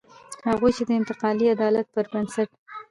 هغوی چې د انتقالي عدالت پر بنسټ.